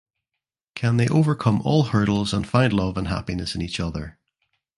Can they overcome all hurdles and find love and happiness in each other?